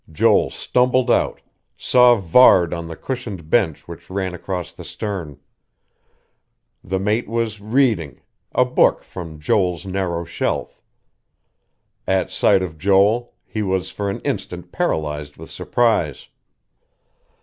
Joel stumbled out saw Varde on the cushioned bench which ran across the stern. The mate was reading, a book from Joel's narrow shelf. At sight of Joel, he was for an instant paralyzed with surprise....